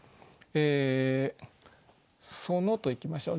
「その」といきましょう。